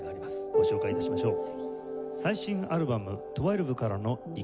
ご紹介致しましょう。